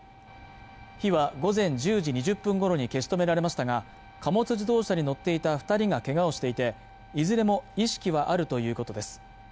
火は午前１０時２０分ごろに消し止められましたが貨物自動車に乗っていた二人がけがをしていていずれも意識はあるということです